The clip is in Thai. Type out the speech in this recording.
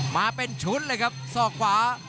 มาเป็นชุดเลยครับศอกขวา